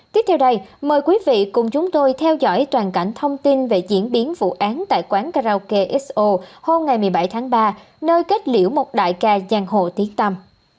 tiếp theo đây mời quý vị cùng chúng tôi theo dõi toàn cảnh thông tin về diễn biến vụ án tại quán karaoke xo hôm ngày một mươi bảy tháng ba nơi kết liễu một đại ca giang hồ tiến tâm